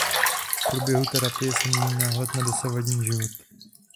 V průběhu terapie se mění náhled na dosavadní život.